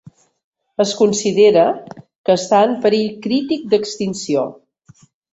Es considera que està en perill crític d'extinció.